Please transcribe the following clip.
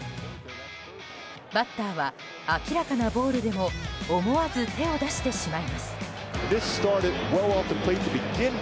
バッターは明らかなボールでも思わず手を出してしまいます。